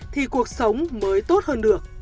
thì cuộc sống mới tốt hơn được